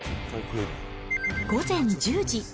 午前１０時。